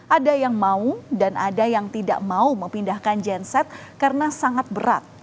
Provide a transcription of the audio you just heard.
ada yang mau dan ada yang tidak mau memindahkan genset karena sangat berat